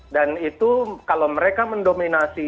dan itu kalau mereka mendominasi